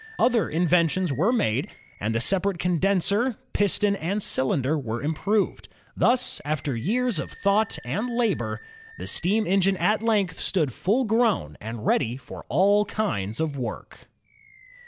Other inventions were made, and the separate con denser, piston, and cylinder were improved. Thus, after years of thought and labor, the steam engine at length stood full grown and ready for all kinds of work.